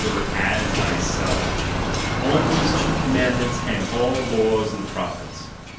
hoar as thyself. On these two commandments T^,^^^ hang fill the law and the proiiliets.